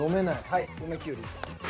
はい梅きゅうり。